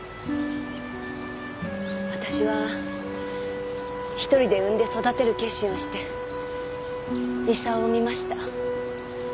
私は一人で産んで育てる決心をして功を産みました。